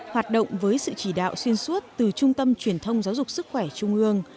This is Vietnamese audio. hoạt động với sự chỉ đạo xuyên suốt từ trung tâm truyền thông giáo dục sức khỏe trung ương